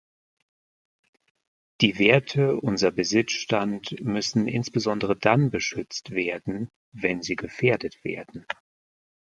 Die Werte unser Besitzstand müssen insbesondere dann beschützt werden, wenn sie gefährdet werden.